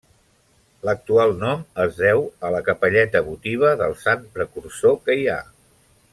L'actual nom es deu a la capelleta votiva del Sant precursor que hi ha.